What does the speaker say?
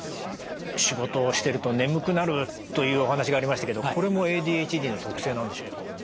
仕事をしてると眠くなるというお話がありましたけどこれもＡＤＨＤの特性なんでしょうか？